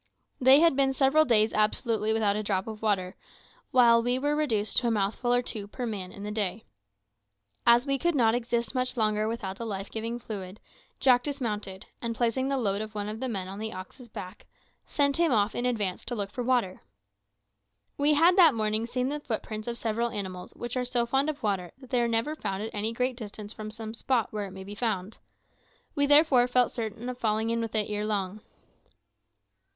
They had been several days absolutely without a drop of water, while we were reduced to a mouthful or two per man in the day. As we could not exist much longer without the life giving fluid, Jack dismounted, and placing the load of one of the men on the ox's back, sent him off in advance to look for water. We had that morning seen the footprints of several animals which are so fond of water that they are never found at any great distance from some spot where it may be found. We therefore felt certain of falling in with it ere long.